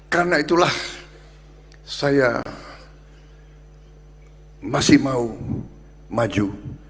karena itulah saya masih mau maju